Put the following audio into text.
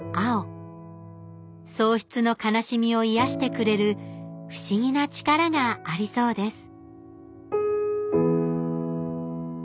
喪失の悲しみを癒やしてくれる不思議なチカラがありそうです